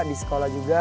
di sekolah juga